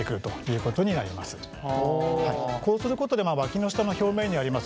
こうすることでわきの下の表面にあります